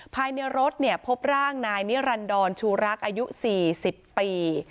ภายในรถพบร่างนายนิรันดรชูรักอายุ๔๐ปี